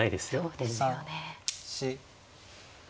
そうですよね。